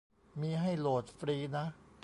มีให้โหลดฟรีนะ